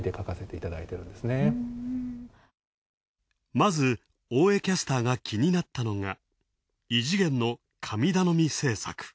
まず大江キャスターが気になったのが、異次元の神頼み政策。